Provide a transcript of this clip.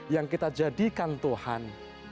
yang kita jadikan tuhan